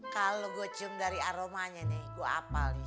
kalo gua cium dari aromanya nih gua apal nih